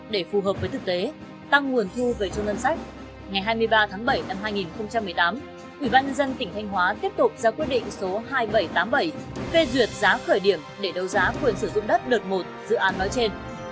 đó là nâng giá trị dự án để sử dụng đất lượt một dự án nói trên